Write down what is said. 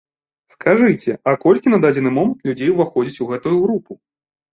Скажыце, а колькі на дадзены момант людзей уваходзіць у гэтую групу?